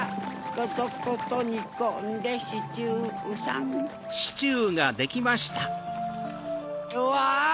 コトコトにこんでシチューさん・うわ！